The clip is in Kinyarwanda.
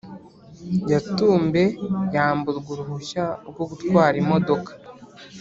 Yatumbe yamburwa uruhushya rwo gutwara imodoka